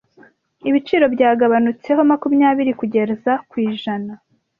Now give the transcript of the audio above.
Ibiciro byagabanutseho makunya biri kugeza ijana .